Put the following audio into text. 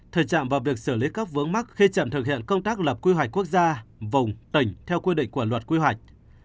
thời trạng và việc xử lý các vướng mắc khi chậm thực hiện công tác lập quy hoạch quốc gia vùng tỉnh theo quy định của luật quy hoạch